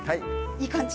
いい感じ。